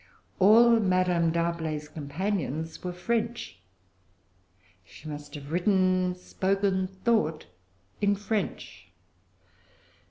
All Madame D'Arblay's companions were French. She must have written, spoken, thought, in French.